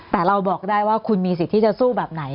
แต่เราบอกได้ว่าคุณมีสิทธิ์ที่จะสู้แบบไหน